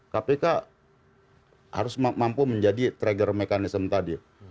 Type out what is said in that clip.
kpk harus mampu menjadi trigger mechanism tadi